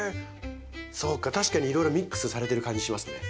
そうか確かにいろいろミックスされてる感じしますね。